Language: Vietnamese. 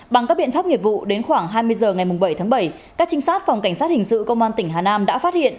bằng các biện pháp nghiệp vụ đến khoảng hai mươi h ngày bảy tháng bảy các trinh sát phòng cảnh sát hình sự công an tỉnh hà nam đã phát hiện